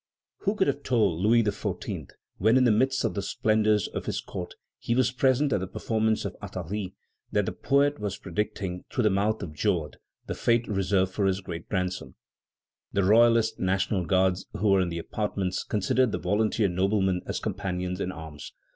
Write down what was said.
"Who could have told Louis XIV., when in the midst of the splendors of his court he was present at the performance of Athalie, that the poet was predicting, through the mouth of Joad, the fate reserved for his great grandson?" The royalist National Guards who were in the apartments considered the volunteer noblemen as companions in arms.